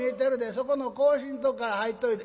そこの格子んとこから入っておいで」。